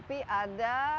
emisi tapi ada